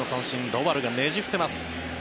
ドバルがねじ伏せます。